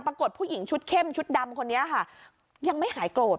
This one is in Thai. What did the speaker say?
ผู้หญิงชุดเข้มชุดดำคนนี้ค่ะยังไม่หายโกรธ